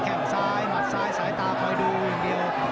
ข้างซ้ายหมากซ้ายศัตรูน่ะ